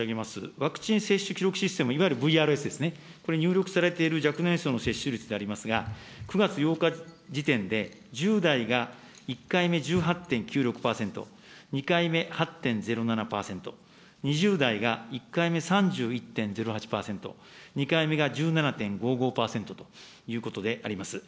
ワクチン接種記録システム、いわゆるＶＲＳですね、これ、入力されている若年層の接種率でありますが、９月８日時点で、１０代が１回目１８．９６％、２回目８．０７％、２０代が１回目３１．０８％、２回目が１７．５５％ということであります。